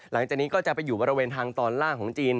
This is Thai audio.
หลังจากนี้ก็จะไปอยู่บริเวณทางตอนล่างของจีน